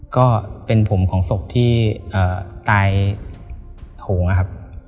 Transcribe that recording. ก็เป็นผมของศพที่ตายโหงนะครับ